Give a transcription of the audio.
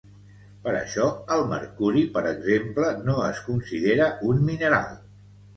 Per això el mercuri, per exemple, no es considera un mineral.